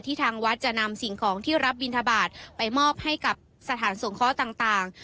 ที่ทางวัดจะนำสิ่งของที่รับบิณฑบาตไปมอบให้กับสถานส่งข้อต่างต่าง